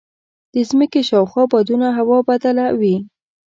د ځمکې شاوخوا بادونه هوا بدله وي.